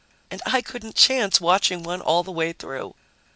and I couldn't chance watching one all the way through!